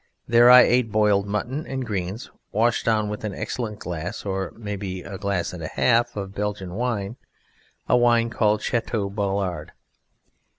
There I ate boiled mutton and greens, washed down with an excellent glass, or maybe a glass and a half, of Belgian wine a wine called Chateau Bollard.